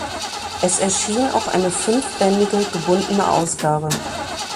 Es erschien auch eine fünfbändige gebundene Ausgabe.